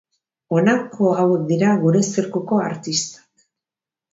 Honako hauek dira Gure Zirkuko artistak.